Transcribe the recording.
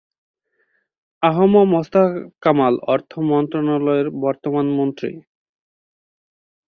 আ হ ম মোস্তফা কামাল অর্থ মন্ত্রণালয়ের বর্তমান মন্ত্রী।